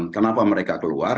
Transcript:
kenapa mereka keluar